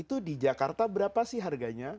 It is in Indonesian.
itu di jakarta berapa sih harganya